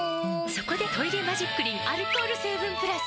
そこで「トイレマジックリン」アルコール成分プラス！